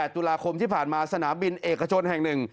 ตุลาคมที่ผ่านมาสนามบินเอกชนแห่ง๑